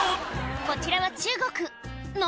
こちらは中国何？